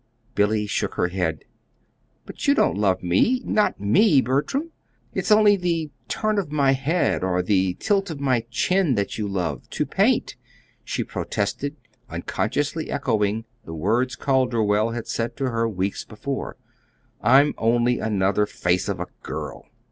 Billy shook her head. "But you don't love me not ME, Bertram. It's only the turn of my head or or the tilt of my chin that you love to paint," she protested, unconsciously echoing the words Calderwell had said to her weeks before. "I'm only another 'Face of a Girl.'"